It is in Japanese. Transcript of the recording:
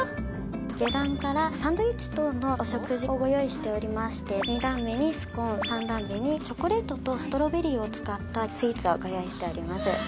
・下段からサンドウィッチ等のお食事をご用意しておりまして２段目にスコーン３段目にチョコレートとストロベリーを使ったスイーツをご用意しております